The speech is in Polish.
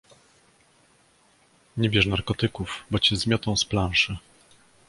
Nie bierz narkotyków, bo cię zmiotą z planszy.